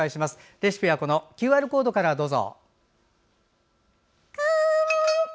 レシピはＱＲコードからどうぞ。